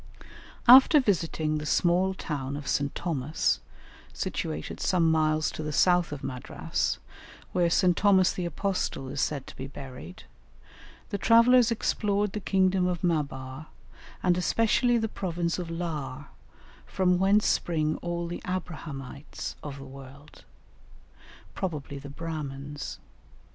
After visiting the small town of St. Thomas, situated some miles to the south of Madras, where St. Thomas the apostle is said to be buried, the travellers explored the kingdom of Maabar and especially the province of Lar, from whence spring all the "Abrahamites" of the world, probably the Brahmins.